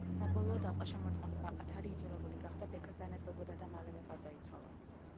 საბოლოოდ, ალყაშემორტყმული ბაყათარი იძულებული გახდა ბექას დანებებოდა და მალევე გარდაიცვალა.